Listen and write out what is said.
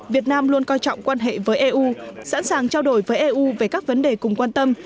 việt nam luôn coi trọng quan hệ với eu sẵn sàng trao đổi với eu về các vấn đề cùng quan tâm